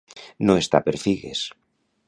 No estar per figues.